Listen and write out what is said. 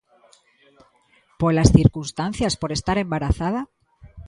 Polas circunstancias, por estar embarazada?